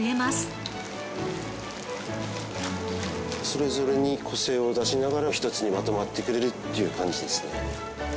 それぞれに個性を出しながら一つにまとまってくれるっていう感じですね。